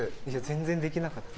全然できなかった。